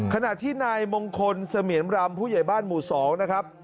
ขณะที่นายมงคลเสมียนรำผู้ใหญ่บ้านหมู่๒นะครับ